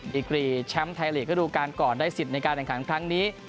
ดีกรีแชมป์ไทยลีกระดูกาลก่อนได้สิทธิ์ในการแข่งขันครั้งนี้